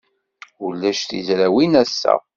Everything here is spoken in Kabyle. Ulac tizrawin ass-a.